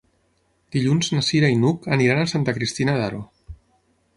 Dilluns na Cira i n'Hug aniran a Santa Cristina d'Aro.